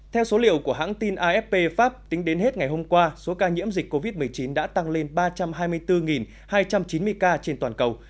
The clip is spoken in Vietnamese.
theo số liệu của hãng tin afp pháp tính đến hết ngày hôm qua số ca nhiễm dịch covid một mươi chín đã tăng lên ba trăm hai mươi bốn hai trăm chín mươi ca trên toàn cầu